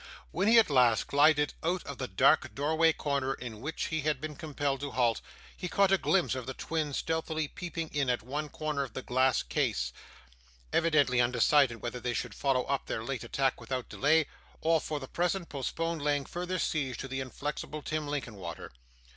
When he at last glided out of the dark doorway corner in which he had been compelled to halt, he caught a glimpse of the twins stealthily peeping in at one corner of the glass case, evidently undecided whether they should follow up their late attack without delay, or for the present postpone laying further siege to the inflexible Tim Linkinwater.